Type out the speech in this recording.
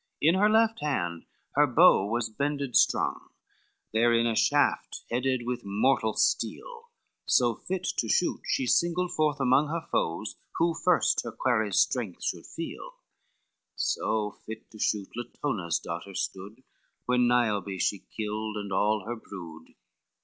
In her left hand her bow was bended strong, Therein a shaft headed with mortal steel, So fit to shoot she singled forth among Her foes who first her quarries' strength should feel, So fit to shoot Latona's daughter stood When Niobe she killed and all her brood.